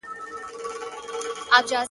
چي یو ږغ کړي د وطن په نامه پورته-